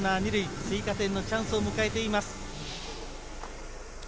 追加点のチャンスを迎えています。